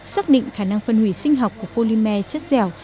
xác định khả năng phân hủy sinh học của polymer chất dẻo